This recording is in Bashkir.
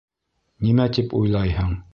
Нимә тип уйлайһың?